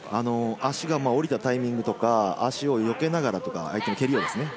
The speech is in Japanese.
足が下りたタイミングとか、足をよけながらとか、相手の蹴りをですね。